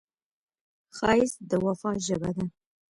ښایست د وفا ژبه ده